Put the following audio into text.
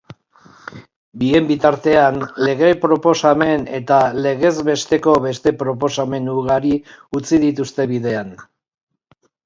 Bien bitartean, lege-proposamen eta legez besteko beste proposamen ugari utzi dituzte bidean.